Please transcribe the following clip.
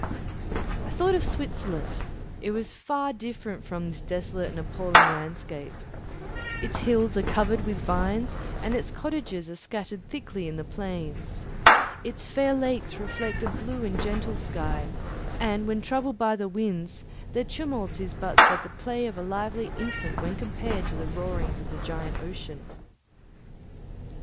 I thought of Switzerland; it was far different from this desolate and appalling landscape. Its hills are covered with vines, and its cottages are scattered thickly in the plains. Its fair lakes reflect a blue and gentle sky, and when troubled by the winds, their tumult is but as the play of a lively infant when compared to the roarings of the giant ocean.